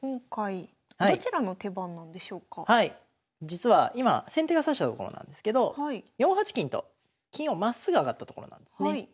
実は今先手が指したところなんですけど４八金と金をまっすぐ上がったところなんですね。